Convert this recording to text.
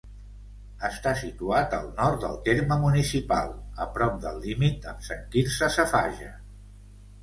Està situat al nord del terme municipal, a prop del límit amb Sant Quirze Safaja.